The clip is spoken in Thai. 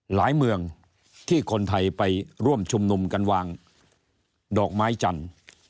เมืองที่คนไทยไปร่วมชุมนุมกันวางดอกไม้จันทร์